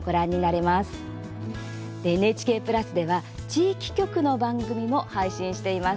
ＮＨＫプラスでは地域局の番組も配信しています。